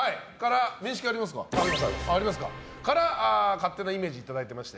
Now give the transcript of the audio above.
勝手なイメージ頂いてまして。